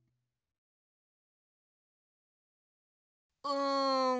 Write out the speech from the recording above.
うん。